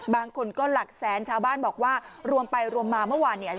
บางคนก็หลักแสนชาวบ้านบอกว่ารวมไปรวมมาเมื่อวานเนี่ย